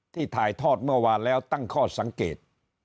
ถ่ายทอดเมื่อวานแล้วตั้งข้อสังเกต